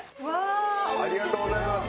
ありがとうございます。